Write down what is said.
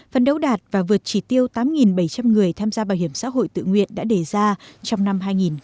phân đấu đạt và vượt chỉ tiêu tám bảy trăm linh người tham gia bảo hiểm xã hội tự nguyện đã đề ra trong năm hai nghìn hai mươi